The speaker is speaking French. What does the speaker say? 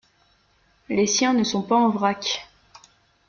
Les siens ne sont pas en vrac.